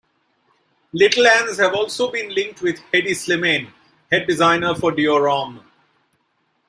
Littl'ans have also been linked with Hedi Slimane, head designer for Dior Homme.